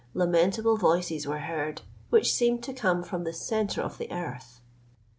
Lamentable voices were heard, which seemed to come from the centre of the earth.